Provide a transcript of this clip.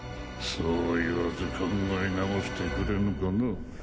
そう言わず考え直してくれぬかな？